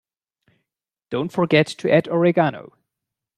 Don't forget to add Oregano.